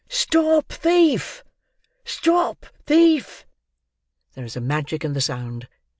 "Stop thief! Stop thief!" There is a magic in the sound.